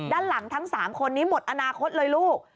ด้านหลังทั้ง๓คนนี้หมดอนาคตเลยลูก